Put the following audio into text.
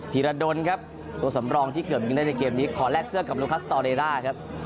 ฮิราโดนครับตัวสำรองที่เกือบมีในเกมนี้ขอแลกเสื้อกับลูคัสตอเดร่าครับ